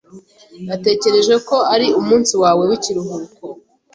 Natekereje ko ari umunsi wawe w'ikiruhuko.